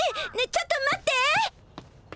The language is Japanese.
ちょっと待って！